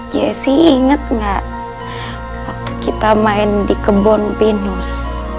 jessy inget gak waktu kita main di kebun venus